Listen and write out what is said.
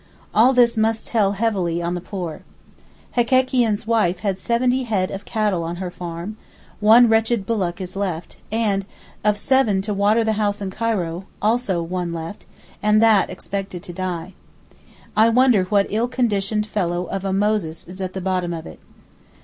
All this must tell heavily on the poor. Hekekian's wife had seventy head of cattle on her farm—one wretched bullock is left; and, of seven to water the house in Cairo, also one left, and that expected to die. I wonder what ill conditioned fellow of a Moses is at the bottom of it.